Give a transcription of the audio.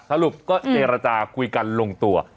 สรุปก็เยลอาจารย์คุยกันลงตัว